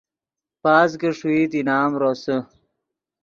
پاس کہ ݰوئیت انعام روسے